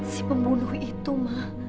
si pembunuh itu ma